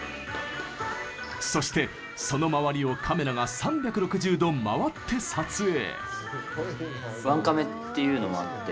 そしてその周りをカメラが３６０度回って撮影。